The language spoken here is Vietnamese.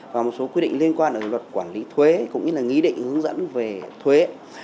và một số quy định liên quan đến luật quản lý thuế cũng như là nghị định hướng dẫn về thuế